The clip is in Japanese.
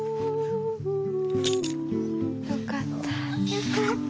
よかった。